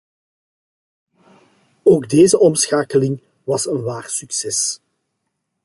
Ook deze omschakeling was een waar succes.